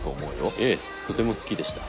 ええとても好きでした。